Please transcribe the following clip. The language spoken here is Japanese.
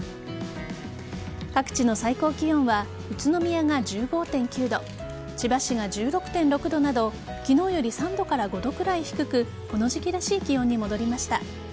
各地の最高気温は宇都宮が１５．９度千葉市が１６．６度など昨日より３度から５度くらい低くこの時期らしい気温に戻りました。